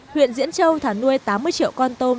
huyện diễn châu thả nuôi tám mươi triệu con tôm